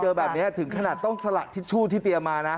เจอแบบนี้ถึงขนาดต้องสละทิชชู่ที่เตรียมมานะ